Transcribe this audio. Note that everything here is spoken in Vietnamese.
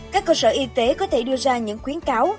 các cơ sở y tế có thể đưa ra những khuyến cáo